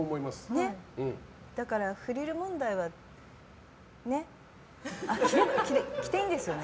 だから、フリル問題はね。着ていいんですよね？